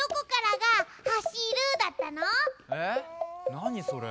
なにそれ。